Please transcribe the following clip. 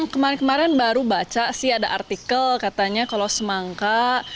kemarin kemarin baru baca sih ada artikel katanya kalau semangka